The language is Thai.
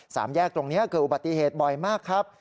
สามแยกตรงนี้เกิดอุบัติเหตุบ่อยมากครับ